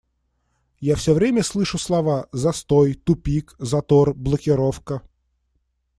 Я все время слышу слова "застой", "тупик", "затор", "блокировка".